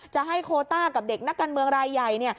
จะให้โคต้ากับเด็กนักการเมืองรายใหญ่